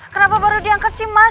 kenapa baru diangkat sih mas